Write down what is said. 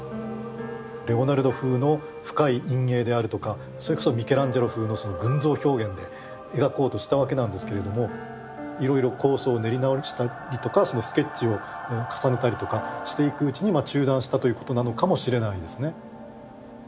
レオナルド風の深い陰影であるとかそれこそミケランジェロ風の群像表現で描こうとしたわけなんですけどもいろいろ構想を練り直したりとかスケッチを重ねたりとかしていくうちに中断したということなのかもしれないですね。